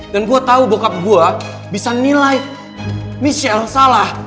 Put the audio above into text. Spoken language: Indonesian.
dan gue tahu bokap gue bisa nilai michelle salah